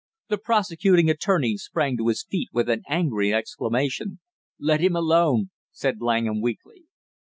The prosecuting attorney sprang to his feet with an angry exclamation. "Let him alone " said Langham weakly.